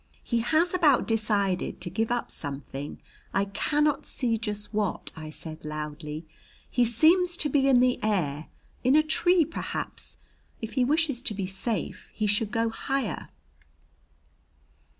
"He has about decided to give up something I cannot see just what," I said loudly. "He seems to be in the air, in a tree, perhaps. If he wishes to be safe he should go higher."